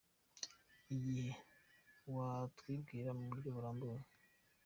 Igihe : Watwibwira mu buryo burambuye ?.